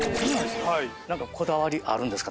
何かこだわりあるんですか？